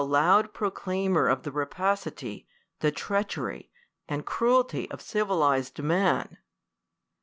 thou loud proclaimer of the rapacity, the treachery, and cruelty of civilized man